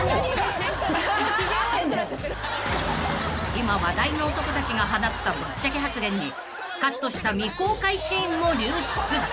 ［今話題の男たちが放ったぶっちゃけ発言にカットした未公開シーンも流出］